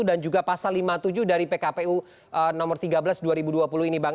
dan juga pasal lima puluh tujuh dari pkpu nomor tiga belas dua ribu dua puluh ini bang